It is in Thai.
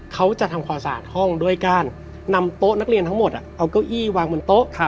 เขาจะทำความสะอาดห้องด้วยการนำโต๊ะนักเรียนทั้งหมดเอาเก้าอี้วางบนโต๊ะ